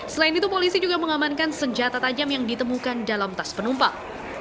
selain itu polisi juga mengamankan senjata tajam yang ditemukan dalam tas penumpang